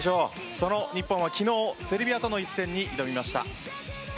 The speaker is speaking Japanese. その日本は昨日セルビアとの一戦に挑みました。